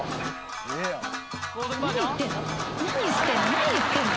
何言ってんの？